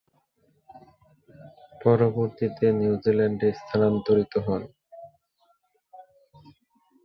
পরবর্তীতে নিউজিল্যান্ডে স্থানান্তরিত হন।